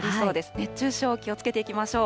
熱中症、気をつけていきましょう。